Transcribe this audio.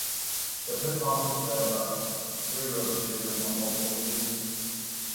The Pitt Panthers played at Three Rivers Stadium on multiple occasions.